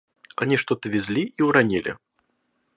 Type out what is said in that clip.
Они что-то везли и уронили.